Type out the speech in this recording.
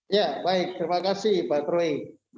ya baik terima kasih pak troy